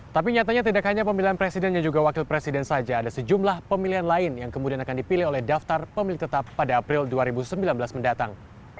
tapi nyatanya tidak hanya pemilihan presiden dan juga wakil presiden saja ada sejumlah pemilihan lain yang kemudian akan dipilih oleh daftar pemilih tetap pada april dua ribu sembilan belas mendatang